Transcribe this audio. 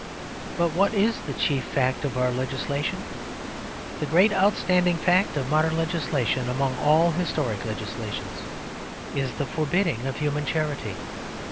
But what is the chief fact of our legislation? The great outstanding fact of modern legislation, among all historic legislations, is the forbidding of human charity.